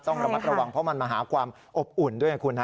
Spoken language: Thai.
ต้องระมัดระวังเพราะมันมาหาความอบอุ่นด้วยไงคุณฮะ